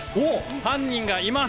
犯人がいます。